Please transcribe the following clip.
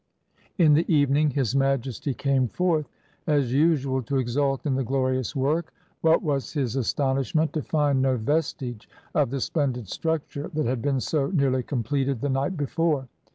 In the evening His Majesty came forth as usual to exult in the glorious work. What was his astonishment to find no vestige of the splendid struc ture that had been so nearly completed the night before.